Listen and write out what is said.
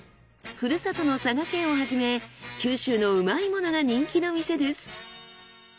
ふるさとの佐賀県をはじめ九州のうまいものが人気の店です。